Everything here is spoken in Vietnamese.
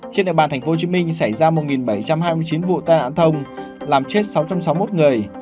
trên địa bàn tp hcm xảy ra một bảy trăm hai mươi chín vụ tai nạn thông làm chết sáu trăm sáu mươi một người